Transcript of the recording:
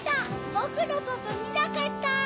ボクのパパみなかった？